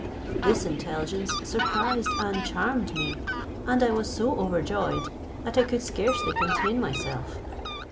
This intelligence surprised and charmed me; and I was so overjoyed, that I could scarcely contain myself.